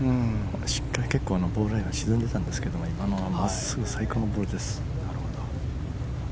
しっかり結構ボールアイアンが沈んでいたんですけど最高のボールです。